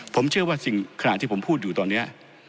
ผมเชื่อว่าสิ่งขณะที่ผมพูดอยู่ตอนนี้